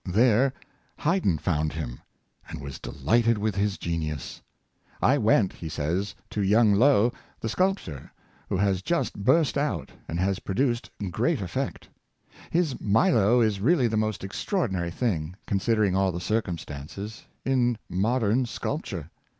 There Hayden found him, and was delighted with his genius. " I went/' he says ^' to young Lough, the sculptor, who has just burst out, and has produced great effect. His ' Milo ' is really the most extra ordinary thing, considering all the circumstances, in modern sculpture.